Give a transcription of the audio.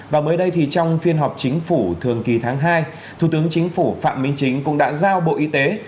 và mới đây thì trong phiên họp chính phủ thường kỳ tháng hai thủ tướng chính phủ phạm minh chính cũng đã giao bộ y tế